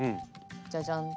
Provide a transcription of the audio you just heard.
じゃじゃんと。